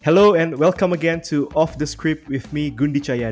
halo dan selamat datang lagi di off the script dengan saya gundi cayadi